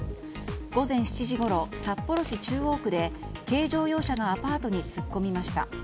午前７時ごろ、札幌市中央区で軽乗用車がアパートに突っ込みました。